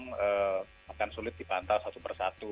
ya memang akan sulit dipantau satu persatu